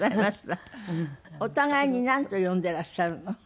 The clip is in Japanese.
お互いになんと呼んでいらっしゃるの？